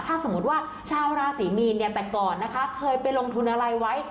ถ้าสมมุติว่าชาวราศรีมีนเนี่ยแต่ก่อนนะคะเคยไปลงทุนอะไรไว้